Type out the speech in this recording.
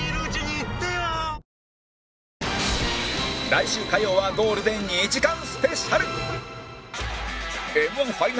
来週火曜はゴールデン２時間スペシャル！